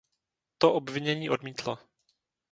To obvinění odmítlo.